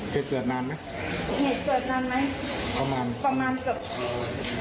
เคยเกิดนานไหมเหตุเกิดนานไหมประมาณประมาณเกือบ